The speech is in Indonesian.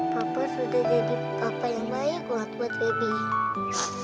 papa sudah jadi papa yang baik buat baby